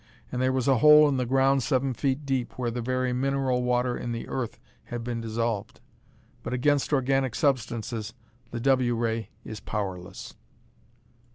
And there was a hole in the ground seven feet deep where the very mineral water in the earth had been dissolved. But against organic substances the W ray is powerless.